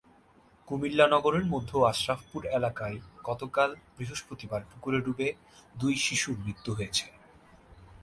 কুমিল্লা নগরের মধ্য আশ্রাফপুর এলাকায় গতকাল বৃহস্পতিবার পুকুরে ডুবে দুই শিশুর মৃত্যু হয়েছে।